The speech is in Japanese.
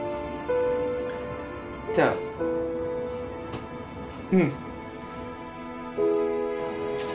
じゃあうん。